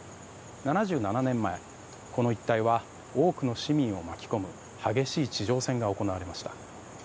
７７年前、この一帯は多くの市民を巻き込む激しい地上戦が行われました。